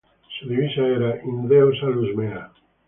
Su divisa era "In Deo salus mea".